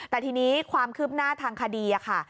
แต่ทีนี้ความคืบหน้าทางคดีค่ะ